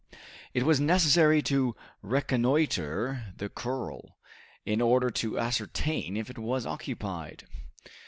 It was necessary to reconnoiter the corral, in order to ascertain if it was occupied.